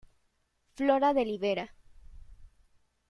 Flora del Iberá.